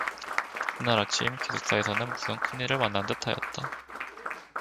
이튿날 아침 기숙사에서는 무슨 큰일을 만난 듯하였다.